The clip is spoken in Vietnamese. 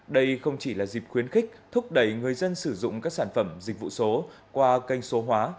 đây không chỉ là dịp khuyến khích thúc đẩy người dân sử dụng các sản phẩm dịch vụ số qua kênh số hóa